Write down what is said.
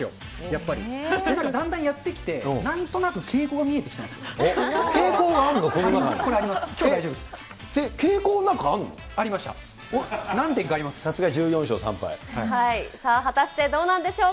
やっぱり、だんだんやってきて、なんとなく傾向が見えてきたんですよ。